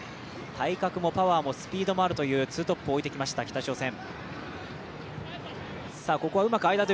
体格もパワーもスピードもあるというツートップを置いてきました北朝鮮。